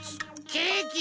ケーキ。